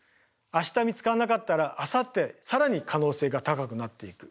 明日見つからなかったらあさって更に可能性が高くなっていく。